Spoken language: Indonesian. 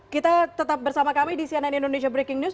kita tetap bersama kami di cnn indonesia breaking news